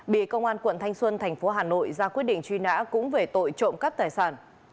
bị công an quận thanh xuân thành phố hà nội ra quyết định truy nã cũng về tội trộm cắp tài sản